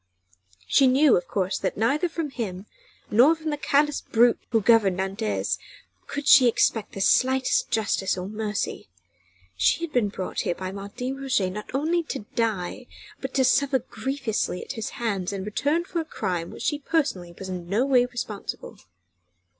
She knew, of course, that neither from him, nor from the callous brute who governed Nantes, could she expect the slightest justice or mercy. She had been brought here by Martin Roget not only to die, but to suffer grievously at his hands in return for a crime for which she personally was in no way responsible.